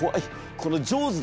この「ジョーズ」だろ？